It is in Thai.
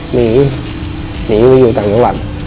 หนีหนีไปอยู่ต่างจังหวัด